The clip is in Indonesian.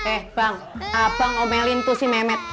eh bang abang omelin tuh si memet